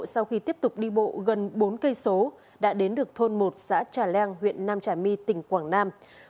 sau khi tiếp tục đi bộ gần bốn cây số đã đến được thôn một xã trà leng huyện nam trà my tỉnh quảng nam